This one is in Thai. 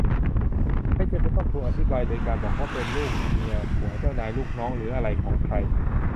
ไม่จำเป็นต้องถูกอธิบายโดยการบอกว่าเป็นลูก-เมีย-ผัว-เจ้านาย-ลูกน้องหรืออะไรของใคร